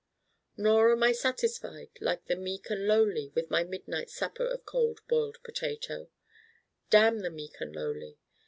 Nor am I satisfied like the meek and lowly with my midnight supper of Cold Boiled Potato: damn the meek and lowly.